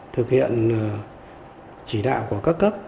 thực hiện chỉ đạo của các cấp